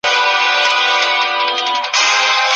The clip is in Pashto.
موږ بايد د اقتصادي پرمختيا مشخصات وپېژنو.